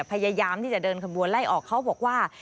พยายามที่จะเดินขบวนไล่ออกเขาบอกว่า